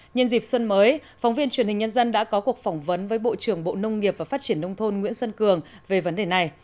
nhân dịp xuân mới phóng viên truyền hình nhân dân đã có cuộc phỏng vấn với bộ trưởng bộ nông nghiệp và phát triển nông thôn nguyễn xuân cường về vấn đề này